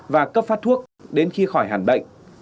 và cấp phát thuốc đến khi khỏi hàn bệnh